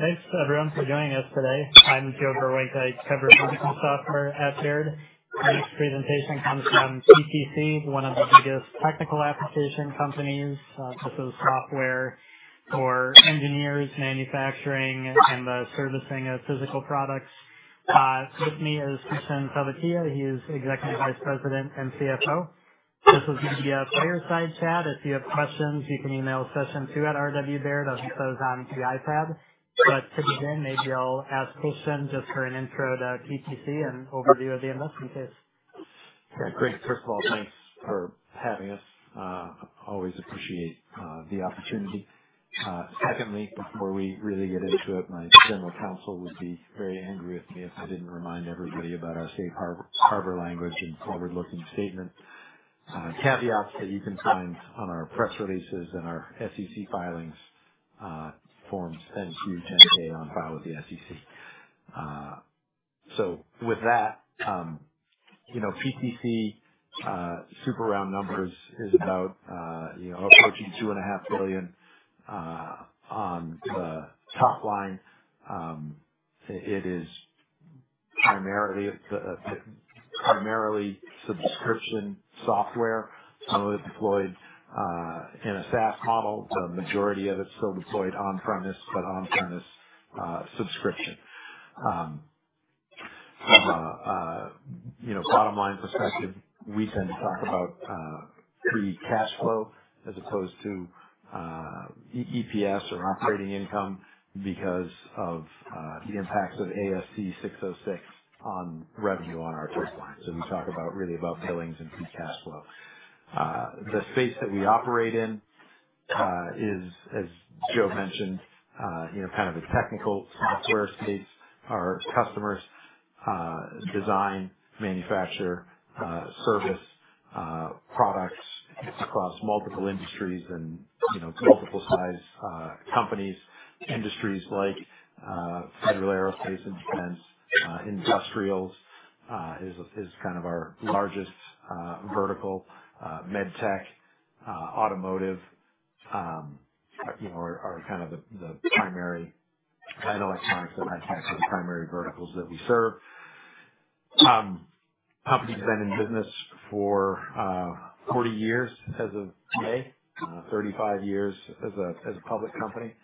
Hi, thanks everyone for joining us today. I'm Joe Vruwink. I cover physical software at Baird. My next presentation comes from PTC, one of the biggest technical application companies. This is software for engineers, manufacturing, and the servicing of physical products. With me is Kristian Talvitie. He is Executive Vice President and CFO. This is going to be a fireside chat. If you have questions, you can email Session 2 at RW Baird. I'll put those on the iPad. To begin, maybe I'll ask Kristian just for an intro to PTC and overview of the investment case. Yeah, great. First of all, thanks for having us. Always appreciate the opportunity. Secondly, before we really get into it, my general counsel would be very angry with me if I did not remind everybody about our safe harbor language and forward-looking statement. Caveats that you can find on our press releases and our SEC filings, forms 10-K on file with the SEC. With that, PTC, super round numbers, is about approaching $2.5 billion on the top line. It is primarily subscription software. Some of it deployed in a SaaS model. The majority of it is still deployed on-premise, but on-premise subscription. From a bottom-line perspective, we tend to talk about free cash flow as opposed to EPS or operating income because of the impacts of ASC 606 on revenue on our pipeline. We talk about really about billings and free cash flow. The space that we operate in is, as Joe mentioned, kind of a technical software space. Our customers design, manufacture, service, products across multiple industries and multiple size companies. Industries like federal aerospace and defense, industrials is kind of our largest vertical. Med tech, automotive are kind of the primary electronics and med tech are the primary verticals that we serve. Company's been in business for 40 years as of May, 35 years as a public company.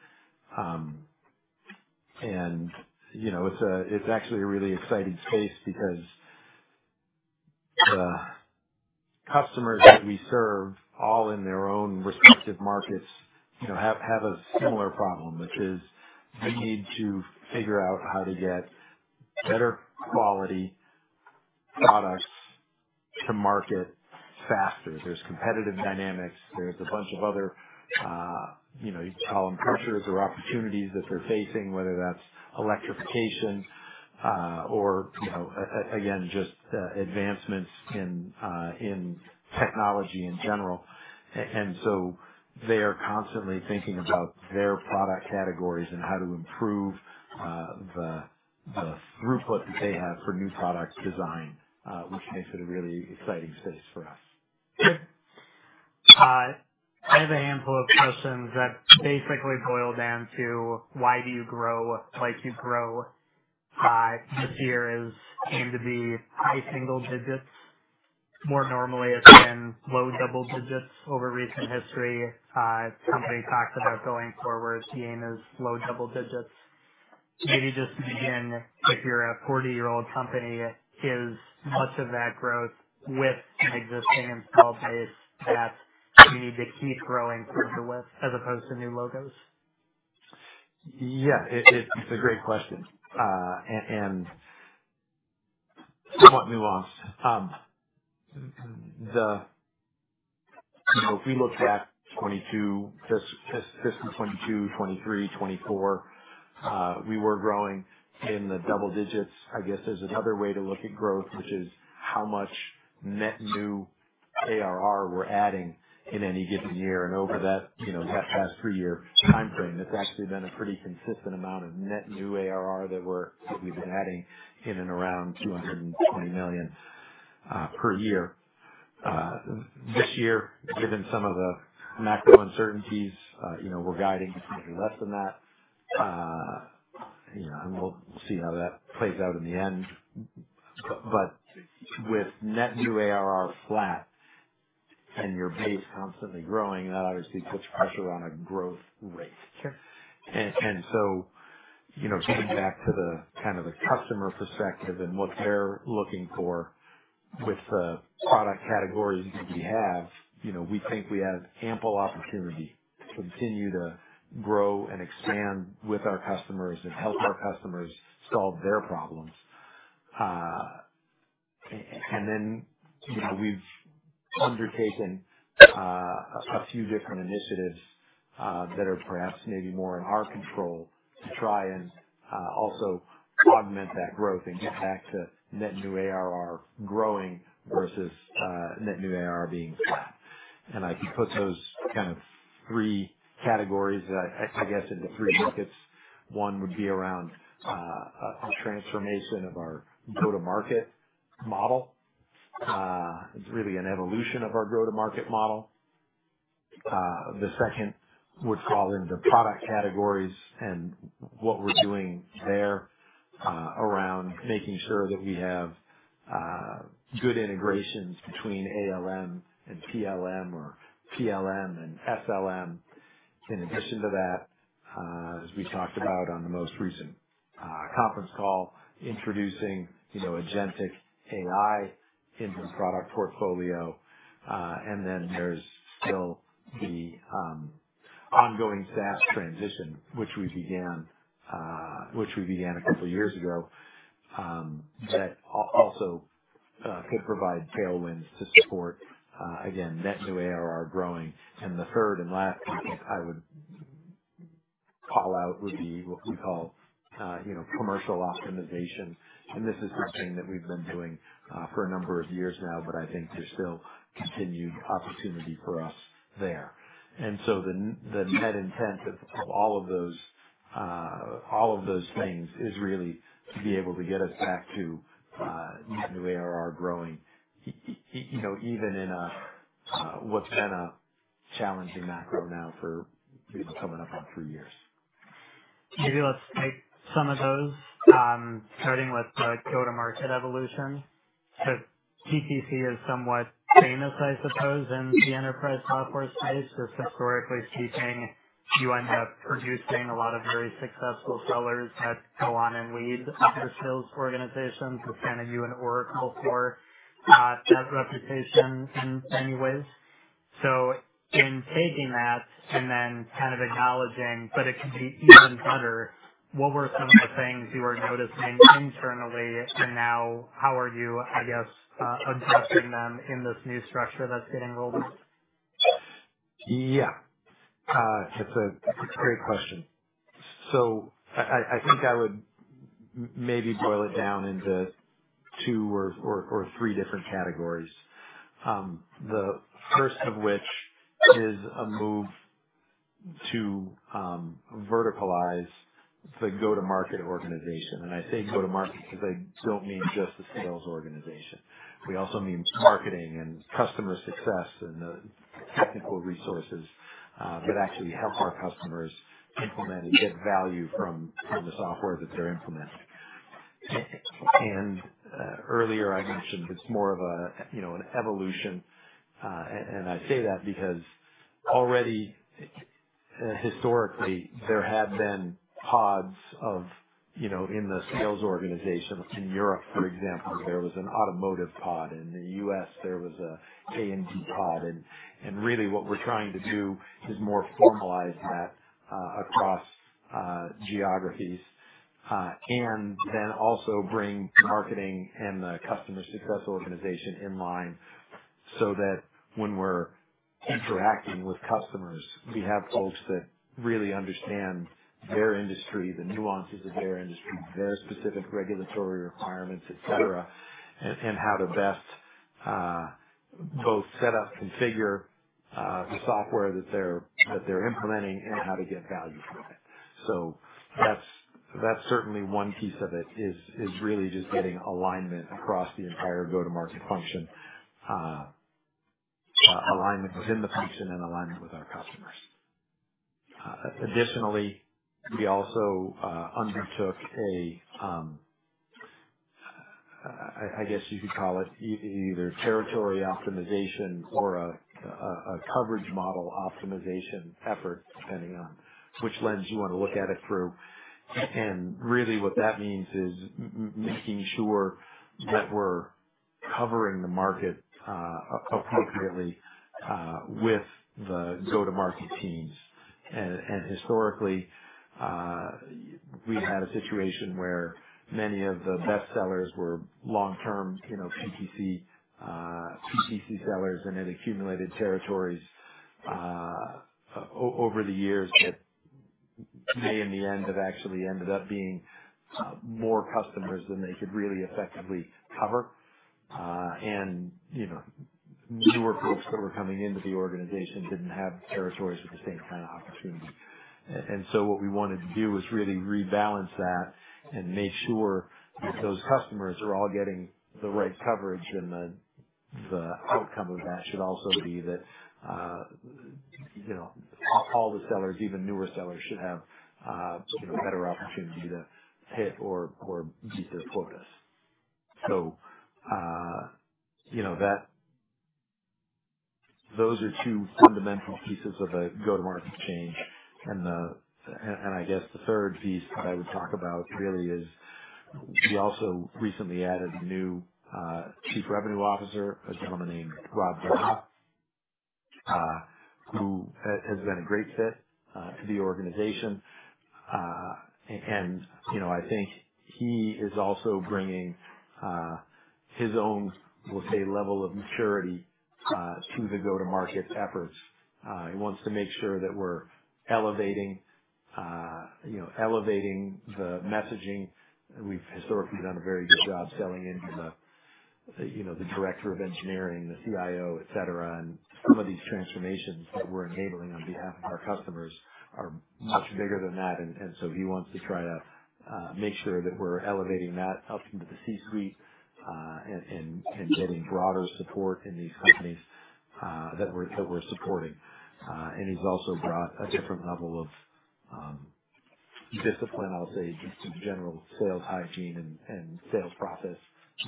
It is actually a really exciting space because the customers that we serve, all in their own respective markets, have a similar problem, which is they need to figure out how to get better quality products to market faster. There are competitive dynamics. There are a bunch of other—you could call them pressures or opportunities that they're facing, whether that's electrification or, again, just advancements in technology in general. They are constantly thinking about their product categories and how to improve the throughput that they have for new product design, which makes it a really exciting space for us. I have a handful of questions that basically boil down to why do you grow like you grow? This year has aimed to be high single digits. More normally, it's been low double digits over recent history. The company talks about going forward, the aim is low double digits. Maybe just to begin, if you're a 40-year-old company, is much of that growth with an existing installed base that you need to keep growing further with as opposed to new logos? Yeah, it's a great question and somewhat nuanced. If we look back '22, '23, '24, we were growing in the double digits. I guess there's another way to look at growth, which is how much net new ARR we're adding in any given year. And over that past three-year time frame, it's actually been a pretty consistent amount of net new ARR that we've been adding in and around $220 million per year. This year, given some of the macro uncertainties, we're guiding maybe less than that. We'll see how that plays out in the end. With net new ARR flat and your base constantly growing, that obviously puts pressure on a growth rate. Getting back to the kind of the customer perspective and what they're looking for with the product categories that we have, we think we have ample opportunity to continue to grow and expand with our customers and help our customers solve their problems. We have undertaken a few different initiatives that are perhaps maybe more in our control to try and also augment that growth and get back to net new ARR growing versus net new ARR being flat. I could put those kind of three categories, I guess, into three buckets. One would be around a transformation of our go-to-market model. It's really an evolution of our go-to-market model. The second would fall into product categories and what we're doing there around making sure that we have good integrations between ALM and PLM or PLM and SLM. In addition to that, as we talked about on the most recent conference call, introducing Agentic AI into the product portfolio. There is still the ongoing SaaS transition, which we began a couple of years ago, that also could provide tailwinds to support, again, net new ARR growing. The third and last piece I would call out would be what we call commercial optimization. This is something that we've been doing for a number of years now, but I think there's still continued opportunity for us there. The net intent of all of those things is really to be able to get us back to net new ARR growing, even in what's been a challenging macro now for coming up on three years. Maybe let's take some of those, starting with the go-to-market evolution. PTC is somewhat famous, I suppose, in the enterprise software space. Just historically speaking, you end up producing a lot of very successful sellers that go on and lead other sales organizations. We've kind of used Oracle for that reputation in many ways. In taking that and then kind of acknowledging, but it could be even better, what were some of the things you were noticing internally? Now, how are you, I guess, addressing them in this new structure that's getting rolled out? Yeah, that's a great question. I think I would maybe boil it down into two or three different categories, the first of which is a move to verticalize the go-to-market organization. I say go-to-market because I do not mean just the sales organization. We also mean marketing and customer success and the technical resources that actually help our customers implement and get value from the software that they are implementing. Earlier, I mentioned it is more of an evolution. I say that because already, historically, there have been pods in the sales organization. In Europe, for example, there was an automotive pod. In the U.S., there was an A&D pod. Really, what we're trying to do is more formalize that across geographies and then also bring marketing and the customer success organization in line so that when we're interacting with customers, we have folks that really understand their industry, the nuances of their industry, their specific regulatory requirements, etc., and how to best both set up, configure the software that they're implementing and how to get value from it. That's certainly one piece of it, is really just getting alignment across the entire go-to-market function, alignment within the function and alignment with our customers. Additionally, we also undertook a, I guess you could call it either territory optimization or a coverage model optimization effort, depending on which lens you want to look at it through. Really, what that means is making sure that we're covering the market appropriately with the go-to-market teams. Historically, we had a situation where many of the best sellers were long-term PTC sellers, and it accumulated territories over the years that may, in the end, have actually ended up being more customers than they could really effectively cover. Newer folks that were coming into the organization did not have territories with the same kind of opportunity. What we wanted to do was really rebalance that and make sure that those customers are all getting the right coverage. The outcome of that should also be that all the sellers, even newer sellers, should have better opportunity to hit or meet their quotas. Those are two fundamental pieces of a go-to-market change. I guess the third piece that I would talk about really is we also recently added a new Chief Revenue Officer, a gentleman named Rob Dahdah, who has been a great fit to the organization. I think he is also bringing his own, we'll say, level of maturity to the go-to-market efforts. He wants to make sure that we're elevating the messaging. We've historically done a very good job selling into the director of engineering, the CIO, etc. Some of these transformations that we're enabling on behalf of our customers are much bigger than that. He wants to try to make sure that we're elevating that up into the C-suite and getting broader support in these companies that we're supporting. He's also brought a different level of discipline, I'll say, just in general sales hygiene and sales process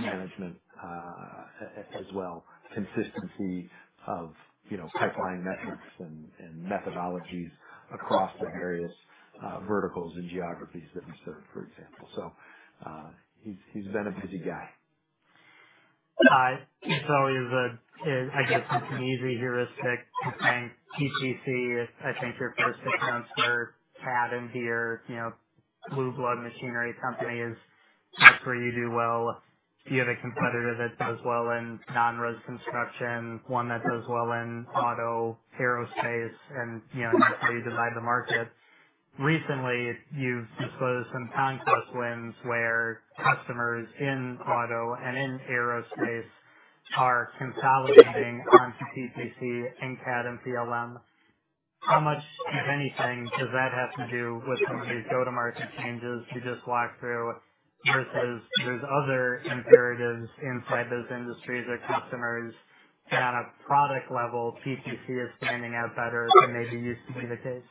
management as well, consistency of pipeline metrics and methodologies across the various verticals and geographies that we serve, for example. He's been a busy guy. I guess it's an easy heuristic to think PTC, I think your first six months for CAD and Deere blue-blood machinery companies, that's where you do well. You have a competitor that does well in non-res construction, one that does well in auto, aerospace, and that's how you divide the market. Recently, you've disclosed some conquest wins where customers in auto and in aerospace are consolidating onto PTC and CAD and PLM. How much, if anything, does that have to do with some of these go-to-market changes we just walked through versus there's other imperatives inside those industries or customers that, on a product level, PTC is standing out better than maybe used to be the case?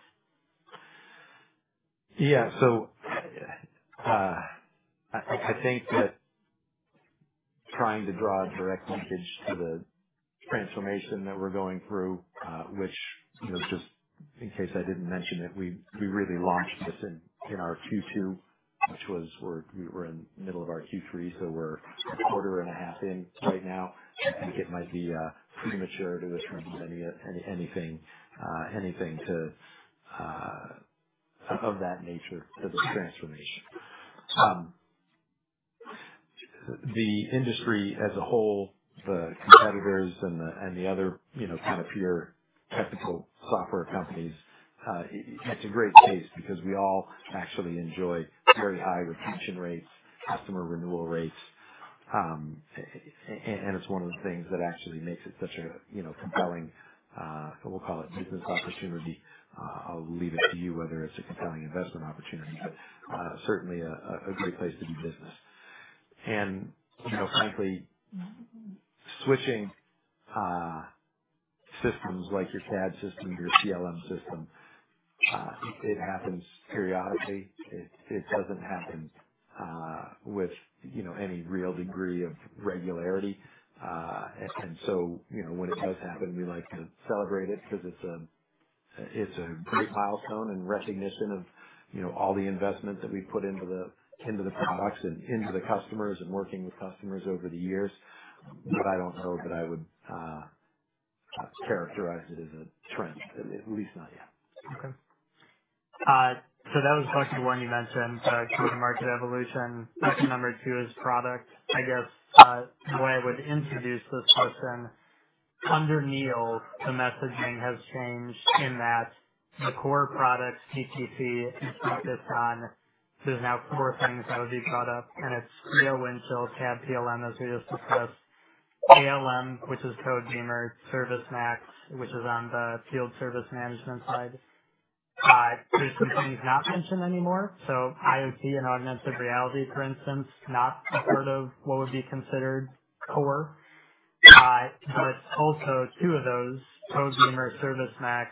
Yeah. I think that trying to draw direct linkage to the transformation that we're going through, which just in case I didn't mention it, we really launched this in our Q2, which was we were in the middle of our Q3, so we're a quarter and a half in right now. I think it might be premature to attribute anything of that nature to this transformation. The industry as a whole, the competitors and the other kind of pure technical software companies, it's a great case because we all actually enjoy very high retention rates, customer renewal rates. It's one of the things that actually makes it such a compelling, we'll call it business opportunity. I'll leave it to you whether it's a compelling investment opportunity, but certainly a great place to do business. Frankly, switching systems like your CAD system to your CLM system, it happens periodically. It does not happen with any real degree of regularity. When it does happen, we like to celebrate it because it is a great milestone and recognition of all the investment that we have put into the products and into the customers and working with customers over the years. I do not know that I would characterize it as a trend, at least not yet. Okay. That was question one you mentioned, go-to-market evolution. Question number two is product. I guess the way I would introduce this question, under Neil, the messaging has changed in that the core products, PTC, is focused on, there's now four things that would be brought up, and it's PLM, Windchill, CAD, PLM, as we just discussed. ALM, which is Code Beamer, ServiceMax, which is on the field service management side. There are some things not mentioned anymore. IoT and augmented reality, for instance, not a part of what would be considered core. Also, two of those, Codebeamer, ServiceMax,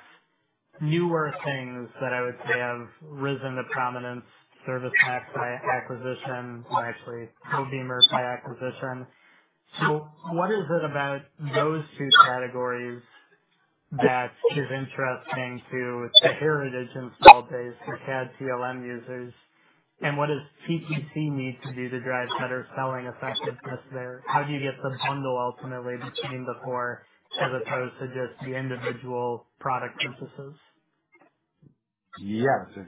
newer things that I would say have risen to prominence, ServiceMax by acquisition, actually Codebeamer by acquisition. What is it about those two categories that is interesting to the heritage install base, the CAD, PLM users? What does PTC need to do to drive better selling effectiveness there? How do you get the bundle ultimately between the four as opposed to just the individual product purchases? Yeah. It's a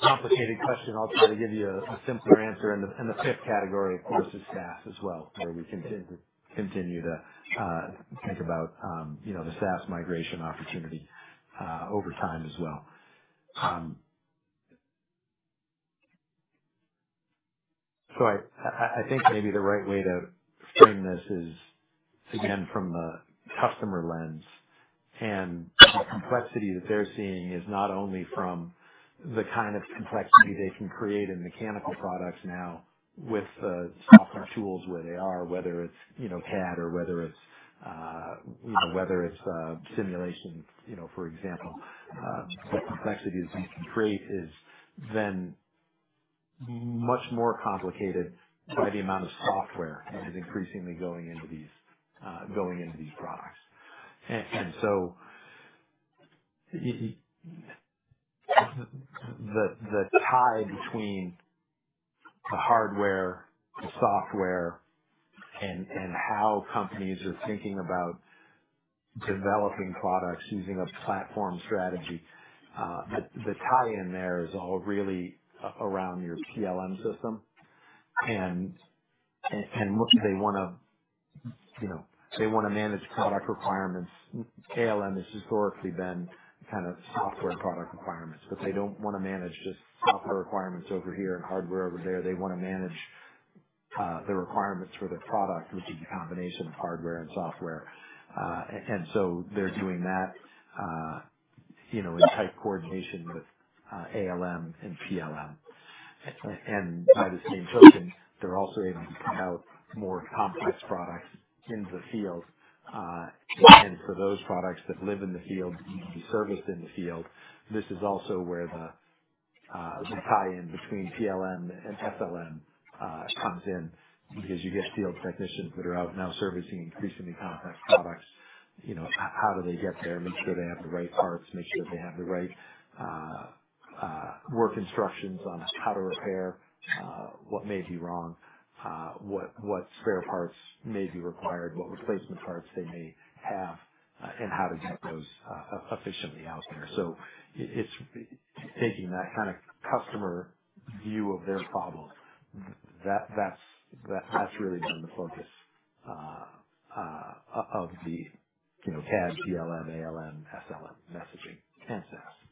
complicated question. I'll try to give you a simpler answer. The fifth category, of course, is SaaS as well, where we continue to think about the SaaS migration opportunity over time as well. I think maybe the right way to frame this is, again, from the customer lens. The complexity that they're seeing is not only from the kind of complexity they can create in mechanical products now with the software tools where they are, whether it's CAD or whether it's simulation, for example. The complexity that they can create is then much more complicated by the amount of software that is increasingly going into these products. The tie between the hardware, the software, and how companies are thinking about developing products using a platform strategy, the tie-in there is all really around your PLM system. Look, they want to manage product requirements. ALM has historically been kind of software product requirements, but they do not want to manage just software requirements over here and hardware over there. They want to manage the requirements for their product, which is a combination of hardware and software. They are doing that in tight coordination with ALM and PLM. By the same token, they are also able to put out more complex products into the field. For those products that live in the field, need to be serviced in the field, this is also where the tie-in between PLM and SLM comes in because you get field technicians that are out now servicing increasingly complex products. How do they get there? Make sure they have the right parts, make sure they have the right work instructions on how to repair, what may be wrong, what spare parts may be required, what replacement parts they may have, and how to get those efficiently out there. It is taking that kind of customer view of their problem. That is really been the focus of the CAD, PLM, ALM, SLM messaging and SaaS.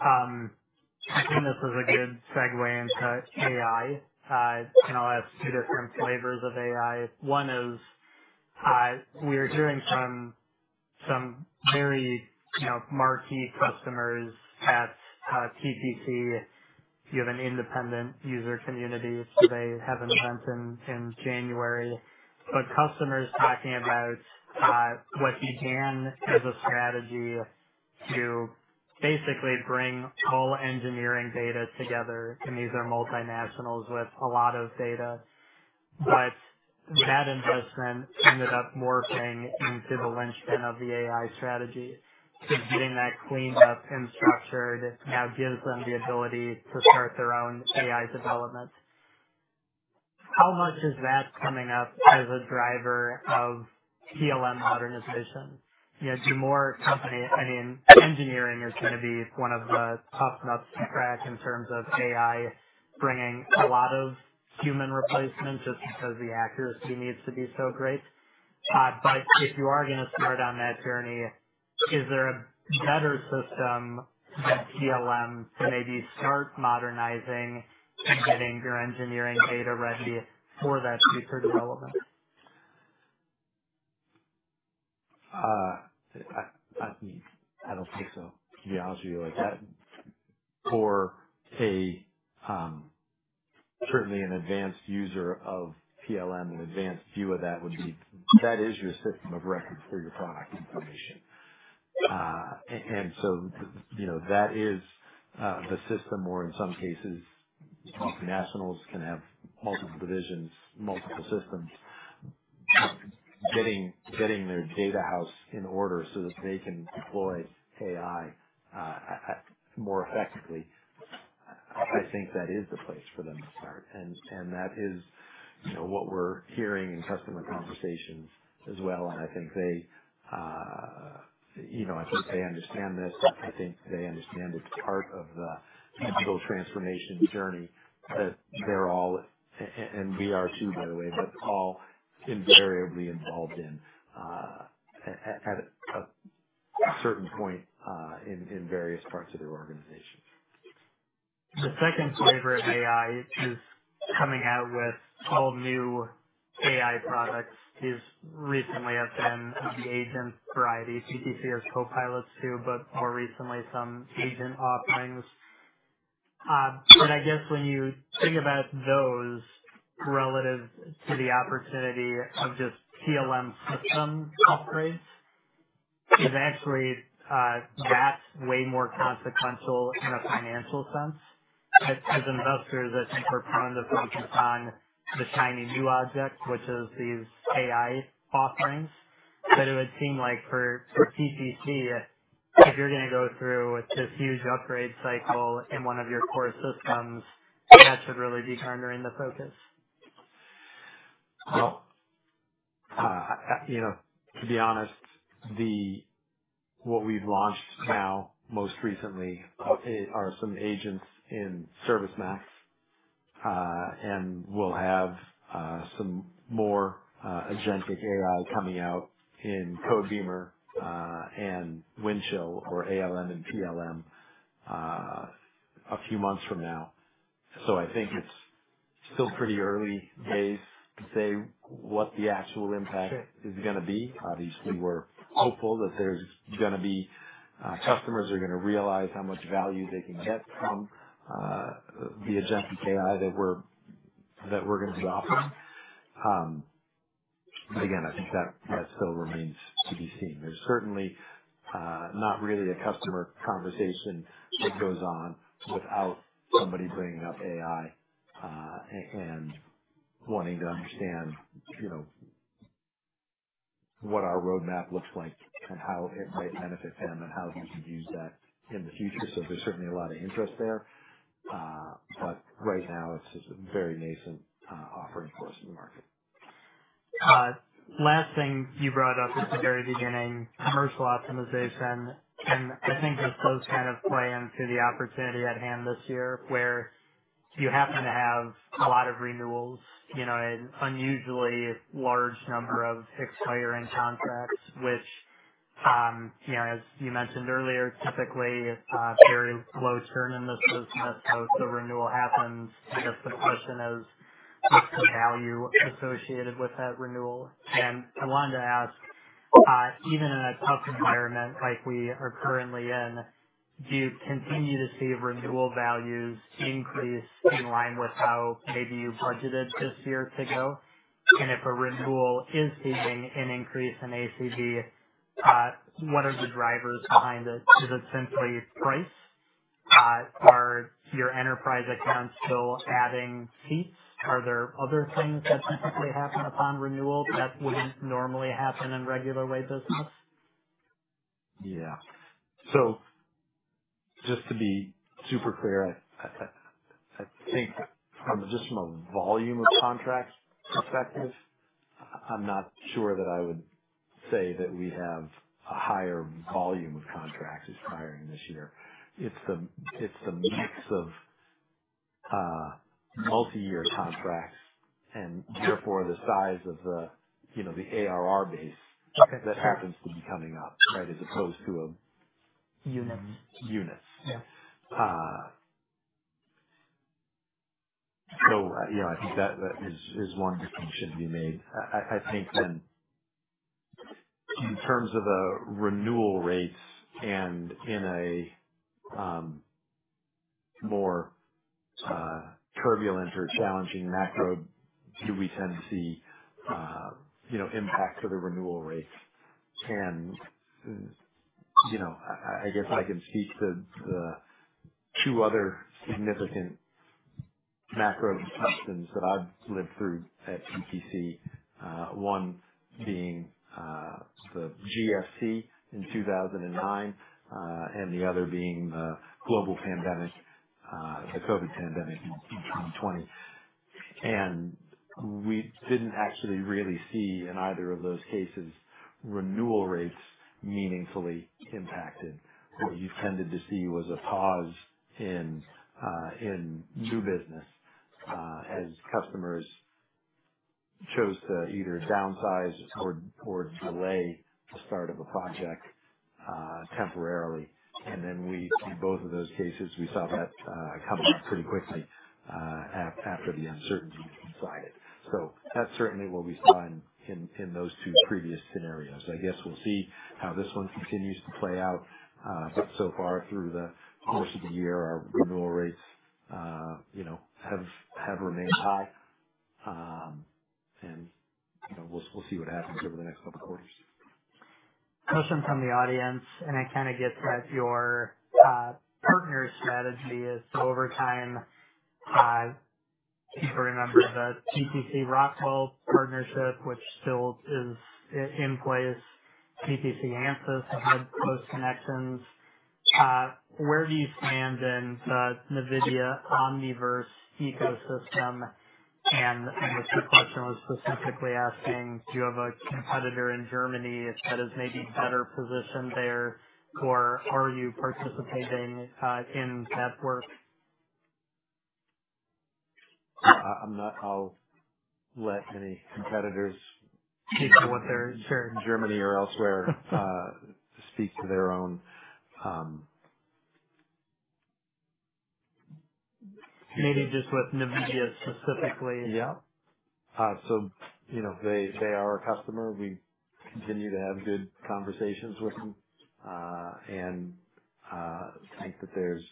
I think this is a good segue into AI. I'll ask two different flavors of AI. One is we are hearing from some very marquee customers at PTC. You have an independent user community, so they have an event in January. Customers are talking about what you can as a strategy to basically bring all engineering data together. These are multinationals with a lot of data. That investment ended up morphing into the lynchpin of the AI strategy because getting that cleaned up and structured now gives them the ability to start their own AI development. How much is that coming up as a driver of PLM modernization? The more company, I mean, engineering is going to be one of the tough nuts to crack in terms of AI bringing a lot of human replacement just because the accuracy needs to be so great. If you are going to start on that journey, is there a better system than PLM to maybe start modernizing and getting your engineering data ready for that future development? I don't think so, to be honest with you. For certainly an advanced user of PLM, an advanced view of that would be. That is your system of records for your product information. That is the system where, in some cases, multinationals can have multiple divisions, multiple systems, getting their data house in order so that they can deploy AI more effectively. I think that is the place for them to start. That is what we're hearing in customer conversations as well. I think they understand this. I think they understand it's part of the digital transformation journey that they're all, and we are too, by the way, but all invariably involved in at a certain point in various parts of their organizations. The second flavor of AI is coming out with all new AI products is recently has been the agent variety. PTC has co-pilots too, but more recently some agent offerings. I guess when you think about those relative to the opportunity of just PLM system upgrades, is actually that way more consequential in a financial sense? As investors, I think we're prone to focus on the shiny new object, which is these AI offerings. It would seem like for PTC, if you're going to go through this huge upgrade cycle in one of your core systems, that should really be garnering the focus. To be honest, what we've launched now most recently are some agents in ServiceMax and will have some more agentic AI coming out in Codebeamer and Windchill or ALM and PLM a few months from now. I think it's still pretty early days to say what the actual impact is going to be. Obviously, we're hopeful that there's going to be customers who are going to realize how much value they can get from the agentic AI that we're going to be offering. Again, I think that still remains to be seen. There's certainly not really a customer conversation that goes on without somebody bringing up AI and wanting to understand what our roadmap looks like and how it might benefit them and how you can use that in the future. There's certainly a lot of interest there. Right now, it's just a very nascent offering for us in the market. Last thing you brought up at the very beginning, commercial optimization. I think that those kind of play into the opportunity at hand this year where you happen to have a lot of renewals, an unusually large number of expiring contracts, which, as you mentioned earlier, typically very low churn in this business. The renewal happens. I guess the question is, what's the value associated with that renewal? I wanted to ask, even in a tough environment like we are currently in, do you continue to see renewal values increase in line with how maybe you budgeted this year to go? If a renewal is seeing an increase in ACV, what are the drivers behind it? Is it simply price? Are your enterprise accounts still adding seats? Are there other things that typically happen upon renewal that would not normally happen in regular way business? Yeah. Just to be super clear, I think just from a volume of contract perspective, I'm not sure that I would say that we have a higher volume of contracts as prior in this year. It's the mix of multi-year contracts and therefore the size of the ARR base that happens to be coming up, right, as opposed to a. Units. Units. I think that is one distinction to be made. I think then in terms of the renewal rates and in a more turbulent or challenging macro, do we tend to see impacts of the renewal rates? I guess I can speak to the two other significant macro disruptions that I've lived through at PTC, one being the GFC in 2009 and the other being the global pandemic, the COVID pandemic in 2020. We did not actually really see in either of those cases renewal rates meaningfully impacted. What you've tended to see was a pause in new business as customers chose to either downsize or delay the start of a project temporarily. In both of those cases, we saw that come up pretty quickly after the uncertainty subsided. That is certainly what we saw in those two previous scenarios. I guess we'll see how this one continues to play out. So far, through the course of the year, our renewal rates have remained high. We'll see what happens over the next couple of quarters. Question from the audience. It kind of gets at your partner strategy. Over time, people remember the PTC Rockwell partnership, which still is in place. PTC Ansys had close connections. Where do you stand in the NVIDIA Omniverse ecosystem? The question was specifically asking, do you have a competitor in Germany that is maybe better positioned there, or are you participating in that work? I'm not. I'll let any competitors speak to what they're sharing in Germany or elsewhere speak to their own. Maybe just with NVIDIA specifically. Yeah. They are a customer. We continue to have good conversations with them. I think that there's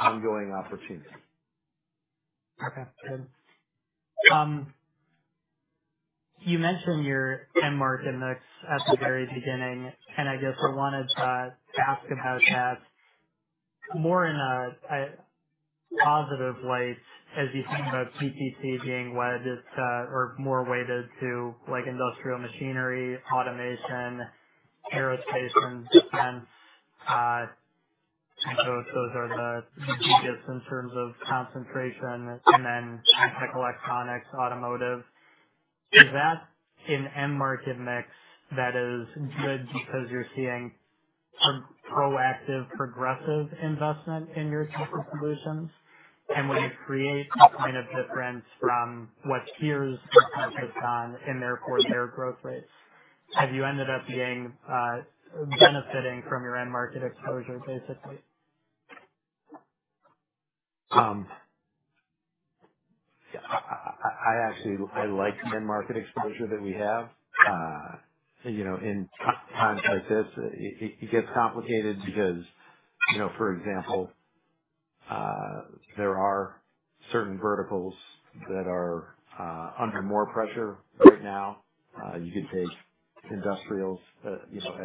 ongoing opportunity. Okay. Good. You mentioned your Emmert index at the very beginning. I guess I wanted to ask about that more in a positive light as you think about PTC being more weighted to industrial machinery, automation, aerospace, and defense. Those are the biggest in terms of concentration. Then tech electronics, automotive. Is that an Emmert index that is good because you're seeing proactive progressive investment in your tech solutions? When you create a kind of difference from what peers have focused on and therefore their growth rates, have you ended up benefiting from your end market exposure, basically? I like the end market exposure that we have. In times like this, it gets complicated because, for example, there are certain verticals that are under more pressure right now. You could take industrials as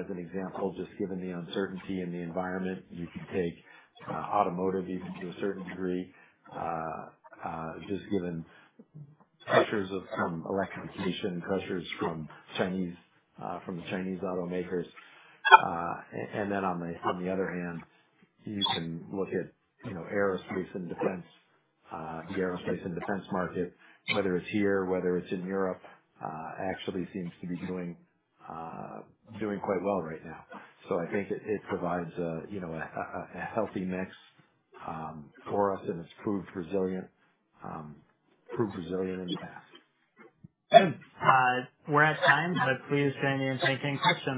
an example. Just given the uncertainty in the environment, you could take automotive even to a certain degree just given pressures of some electrification, pressures from the Chinese automakers. On the other hand, you can look at the aerospace and defense market, whether it's here, whether it's in Europe, actually seems to be doing quite well right now. I think it provides a healthy mix for us, and it's proved resilient in the past. We're at time, but please join me in taking questions.